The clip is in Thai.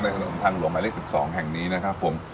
ในขนมทางหลวงไอลิสต์๑๒แห่งนี้นะครับผม